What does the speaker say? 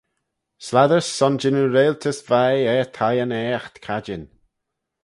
Slattys son jannoo reiltys vie er thieyn aaght cadjin.